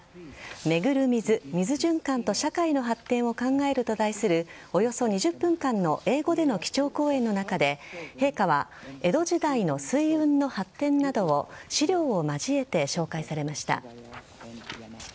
「巡る水」水循環と社会の発展を考えると題するおよそ２０分間の英語での基調講演の中で陛下は江戸時代の水運の発展などを資料を交えて紹介されました。